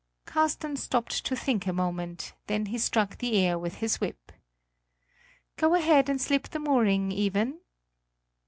Carsten stopped to think a moment; then he struck the air with his whip: "Go ahead and slip the mooring, Iven."